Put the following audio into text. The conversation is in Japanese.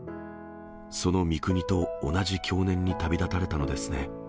その三國と同じ享年に旅立たれたのですね。